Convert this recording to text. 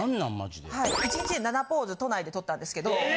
はい１日で７ポーズ都内で撮ったんですけど。